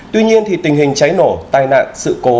tuy nhiên tình hình cháy nổ tai nạn sự cố